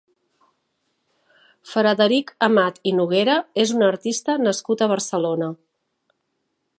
Frederic Amat i Noguera és un artista nascut a Barcelona.